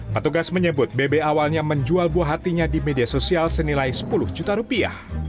petugas menyebut bebe awalnya menjual buah hatinya di media sosial senilai sepuluh juta rupiah